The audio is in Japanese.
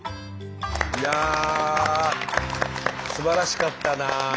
いやあすばらしかったなあ。